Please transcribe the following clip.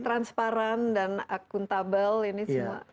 transparan dan akuntabel ini semua